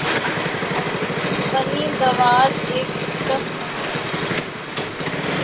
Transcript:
ونی داوچ ایک دلچسپ کہانی ہے۔